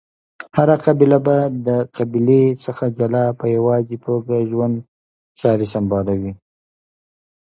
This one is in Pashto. هره قبیله به د قبیلی څخه جلا په یواځی توګه ژوند چاری سمبالولی